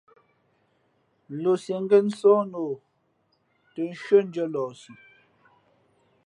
Lǒsīē ngén nsóh nā o tᾱ shʉ́ά ndʉ̄ᾱ lααsi.